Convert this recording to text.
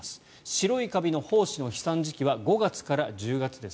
白いカビの胞子の飛散時期は５月から１０月です。